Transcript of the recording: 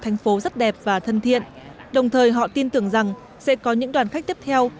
thành phố rất đẹp và thân thiện đồng thời họ tin tưởng rằng sẽ có những đoàn khách tiếp theo